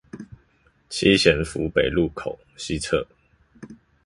七賢府北路口西側